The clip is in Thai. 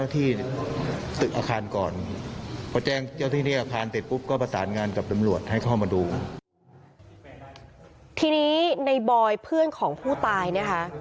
ทีนี้ในบอยเพื่อนของผู้ตายนะคะ